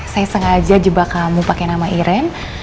saya sengaja jebak kamu pakai nama iren